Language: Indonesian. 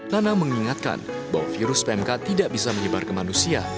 nana mengingatkan bahwa virus pmk tidak bisa menyebar ke manusia